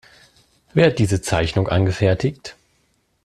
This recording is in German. Wer hat diese Zeichnung angefertigt?